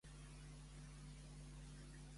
Qui va ser Thomas Hobbes?